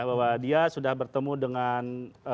bahwa dia sudah bertemu dengan